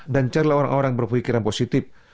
dan carilah orang orang berpikiran positif